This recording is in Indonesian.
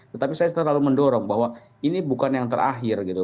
tetapi saya selalu mendorong bahwa ini bukan yang terakhir gitu